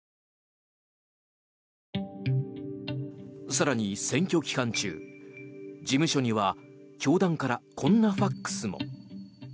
更に、選挙期間中、事務所には教団からこんなファクスも。